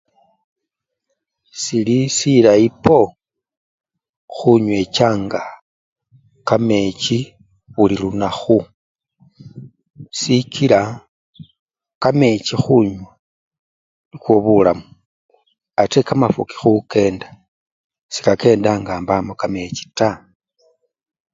Sili silayi poo khunywechanga kamechi buli lunakhu sikila kamechi khunywa nikhwo bulamu ate kamafuki khukenda, sekakenda nga mbamo kamechi taa.